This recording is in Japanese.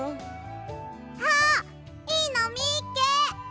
あっいいのみっけ！